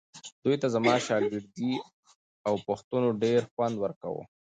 دوی ته زما شاګردۍ او پوښتنو ډېر خوند ورکاوو.